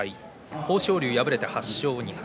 豊昇龍、敗れて８勝２敗。